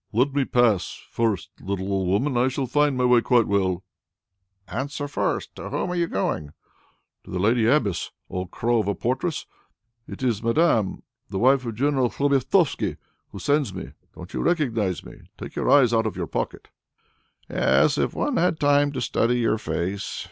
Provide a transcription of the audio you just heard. "Let me pass first, little old woman; I shall find my way quite well." "Answer first; to whom are you going?" "To the Lady Abbess, old crow of a portress! It is Madame the wife of General Khlobestovsky who sends me; don't you recognize me? Take your eyes out of your pocket." "Yes, if one had time to study your face!